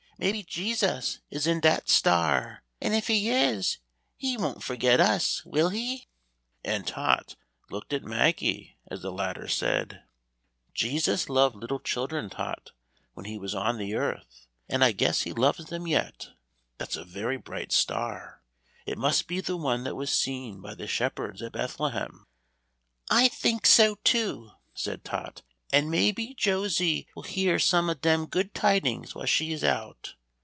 Maybe Jesus is in dat star, and if He is, He won't forget us, will He?" And Tot looked at Maggie as the latter said: "Jesus loved little children, Tot, when He was on the earth, and I guess He loves them yet. That's a very bright star it must be the one that was seen by the shepherds at Bethlehem." "I think so, too," said Tot, "and may be Josie will hear some of dem 'good tidings' while she is out.